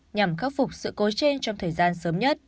nhằm khắc phục sự cố trên trong thời gian sớm nhất